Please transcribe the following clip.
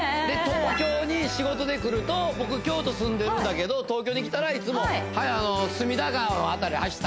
東京に仕事で来ると僕京都住んでるんだけど東京に来たらいつもおおいい！